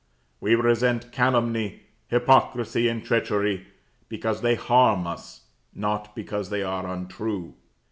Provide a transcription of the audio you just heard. We resent calumny, hypocrisy and treachery, because they harm us, not because they are untrue.